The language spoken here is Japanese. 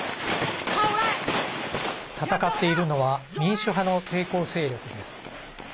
戦っているのは民主派の抵抗勢力です。